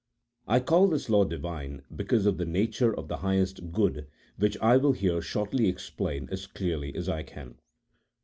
I call this law Divine because of the nature of the highest good, which I will here shortly explain as clearly as I can.